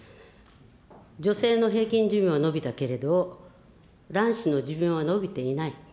女性の平均寿命は延びたけれど、卵子の寿命は延びていない。